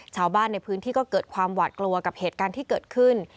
ชาวบ้านในผืนที่เกิดความหว่าแต่อะไรกับเหตุการณ์ที่เกิดขึ้น